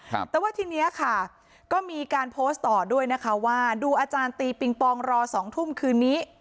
ครับแต่ว่าทีเนี้ยค่ะก็มีการโพสต์ต่อด้วยนะคะว่าดูอาจารย์ตีปิงปองรอสองทุ่มคืนนี้